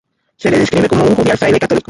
Se le describe como un jovial fraile católico.